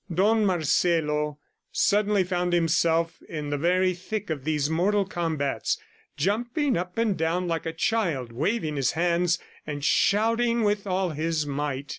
Don Marcelo suddenly found himself in the very thick of these mortal combats, jumping up and down like a child, waving his hands and shouting with all his might.